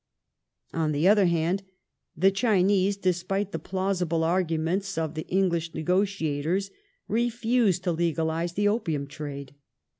On the other hand, the Chinese, despite the plausible argu ments of the English negotiators, refused to legalize the opium trade.